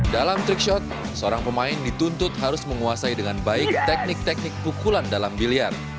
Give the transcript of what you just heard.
dalam trikshot seorang pemain dituntut harus menguasai dengan baik teknik teknik pukulan dalam biliar